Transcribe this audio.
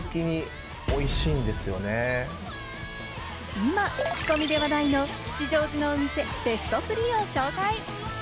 今、クチコミで話題の吉祥寺のお店ベスト３を紹介。